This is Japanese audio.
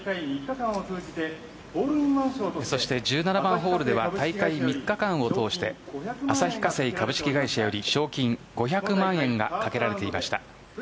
そして１７番ホールでは大会３日間を通して旭化成株式会社より賞金５００万円が懸けられていました。